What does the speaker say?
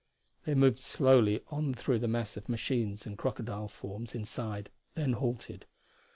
They moved slowly on through the mass of machines and crocodile forms inside, then halted.